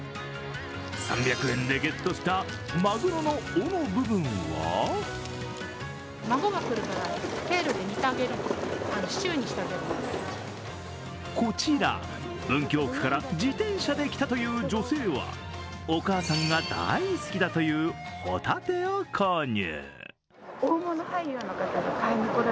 ３００円でゲットしたまぐろの尾の部分はこちら文京区から自転車で来たという女性はお母さんが大好きだという、ほたてを購入。